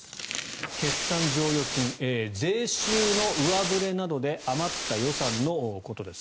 決算剰余金、税収の上振れなどで余った予算のことです。